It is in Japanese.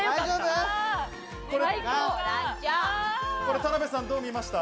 田辺さん、どう見ましたか？